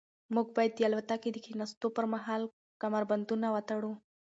موږ باید د الوتکې د کښېناستو پر مهال کمربندونه وتړو.